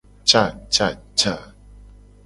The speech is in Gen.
Cacaca.